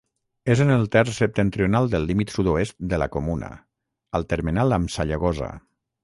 És en el terç septentrional del límit sud-oest de la comuna, al termenal amb Sallagosa.